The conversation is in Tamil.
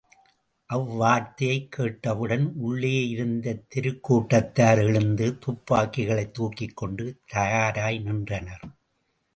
அவ்வார்த்தையைக் கேட்டவுடன் உள்ளேயிருந்த திருக் கூட்டத்தார் எழுந்து துப்பாக்கிகளைத் துக்கிக் கொண்டு தயாராய்நின்றனர்.